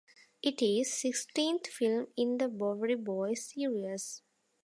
It is sixteenth film in The Bowery Boys series.